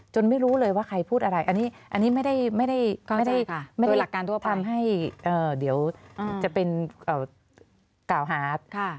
จนไม่รู้เลยว่าใครพูดอะไรอันนี้ไม่ได้ทำให้เดี๋ยวจะเป็นกล่าวหาด